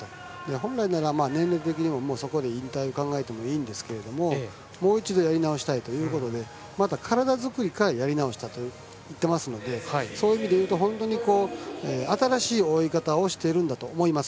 本来なら、年齢的にもそこで引退を考えてもいいんですけれどももう一度やり直したいということでまた体作りからやり直したと言っていましたのでそういう意味でいうと新しい泳ぎ方をしているんだと思います。